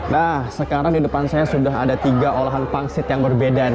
nah sekarang di depan saya sudah ada tiga olahan pangsit yang berbeda